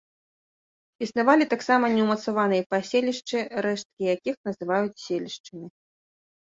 Існавалі таксама неўмацаваныя паселішчы, рэшткі якіх называюць селішчамі.